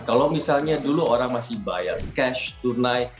kalau misalnya dulu orang masih bayar cash tunai